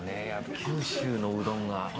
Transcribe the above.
九州のうどんが。